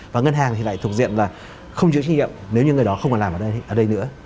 và ngân hàng lại thuộc diện là không chịu trách nhiệm nếu như người đó không làm ở đây nữa